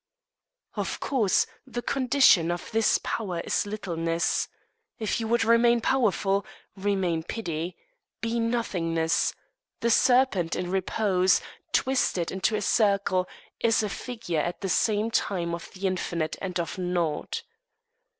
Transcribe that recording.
Of course the condition of this power is littleness. If you would remain powerful, remain petty. Be Nothingness. The serpent in repose, twisted into a circle, is a figure at the same time of the infinite and of naught.